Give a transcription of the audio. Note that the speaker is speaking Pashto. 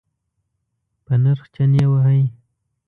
په نرخ چنی وهئ؟